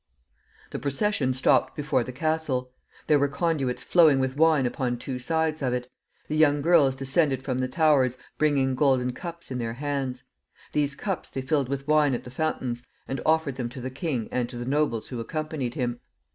The procession stopped before the castle. There were conduits flowing with wine upon two sides of it. The young girls descended from the towers, bringing golden cups in their hands. These cups they filled with wine at the fountains, and offered them to the king and to the nobles who accompanied him.